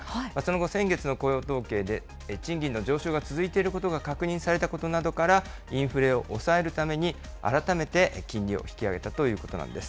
その後、先月の雇用統計で、賃金の上昇が続いていることが確認されたことなどから、インフレを抑えるために改めて金利を引き上げたということなんです。